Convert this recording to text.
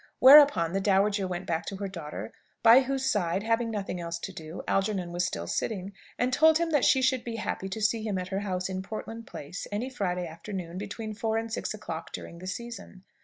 Whereupon the dowager went back to her daughter, by whose side, having nothing else to do, Algernon was still sitting, and told him that she should be happy to see him at her house in Portland Place any Friday afternoon, between four and six o'clock during the season.